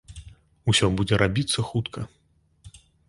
Усё будзе рабіцца хутка.